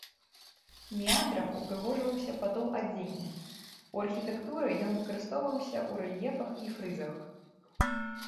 Меандрам упрыгожваўся падол адзення, у архітэктуры ён выкарыстоўваўся ў рэльефах і фрызах.